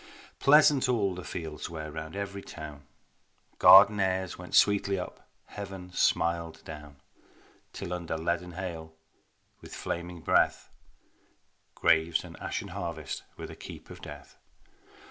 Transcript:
Pleasant all the fields were round every town, Garden airs went sweetly up, heaven smiled down; Till under leaden hail with flaming breath, Graves and ashen harvest were the keep of death.